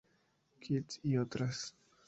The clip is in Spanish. Kitts y otras.